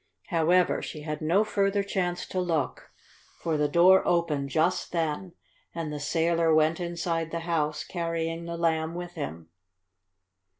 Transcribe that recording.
However she had no further chance to look, for the door opened just then, and the sailor went inside the house, carrying the Lamb with him.